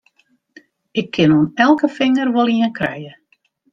Ik kin oan elke finger wol ien krije!